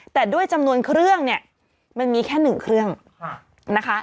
แต่ด้วยจำนวนเครื่องมันมีแค่หนึ่งเครื่องนะคะ